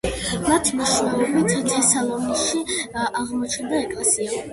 მათი მეშვეობით თესალონიკეში აღმოცენდა ეკლესია.